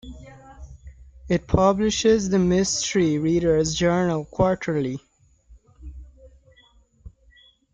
It publishes the "Mystery Readers Journal" quarterly.